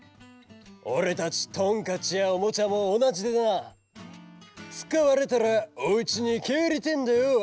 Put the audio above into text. ・おれたちトンカチやおもちゃもおなじでなつかわれたらおうちにけえりてえんだよ！